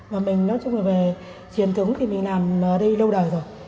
và mình nói chung là về truyền thống thì mình làm ở đây lâu đời rồi